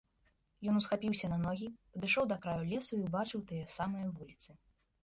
Ён усхапіўся на ногі, падышоў да краю лесу і ўбачыў тыя самыя вуліцы.